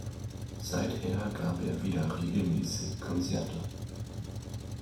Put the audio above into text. Seither gab er wieder regelmässig Konzerte.